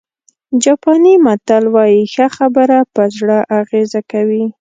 جاپاني متل وایي ښه خبره په زړه اغېزه کوي.